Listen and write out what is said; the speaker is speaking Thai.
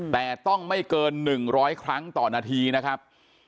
แต่ต้องไม่เกิน๑๐๐ครั้งต่อนาทีนะครับ